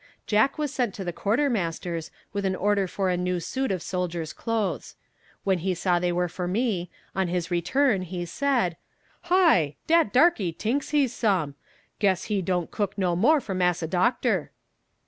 Jack was sent to the quartermaster's with an order for a new suit of soldier's clothes. When he saw they were for me, on his return, he said: "Hi! dat darkie tinks he's some. Guess he don't cook no more for Massa Doct'r."